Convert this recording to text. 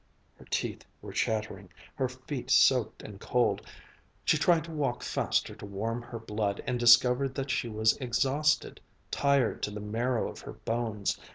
Her teeth were chattering, her feet soaked and cold. She tried to walk faster to warm her blood, and discovered that she was exhausted, tired to the marrow of her bones.